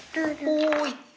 おい！